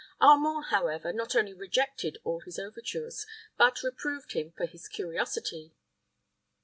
Armand, however, not only rejected all his overtures, but reproved him for his curiosity.